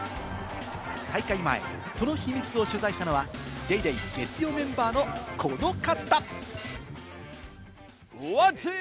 大会前、その秘密を取材したのは、『ＤａｙＤａｙ．』月曜メンバーのこの方。